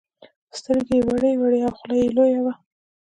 سترگې يې وړې وړې او خوله يې لويه وه.